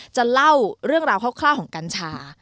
จะเล่าเรื่องราวคร่าวของกัญชา